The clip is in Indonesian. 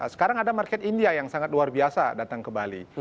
sekarang ada market india yang sangat luar biasa datang ke bali